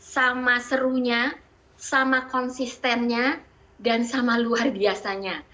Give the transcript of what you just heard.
sama serunya sama konsistennya dan sama luar biasanya